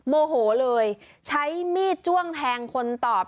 โมโหเลยใช้มีดจ้วงแทงคนตอบ